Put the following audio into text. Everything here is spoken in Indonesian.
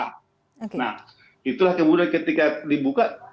nah itulah kemudian ketika dibuka